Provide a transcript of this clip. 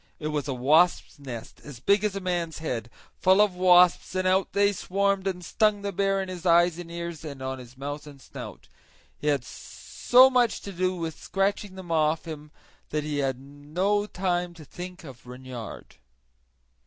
It was a wasp's nest as big as a man's head, full of wasps, and out they swarmed and stung the bear in his eyes and ears and on his mouth and snout. He had so much to do with scratching them off him that he had no the to think of Reynard.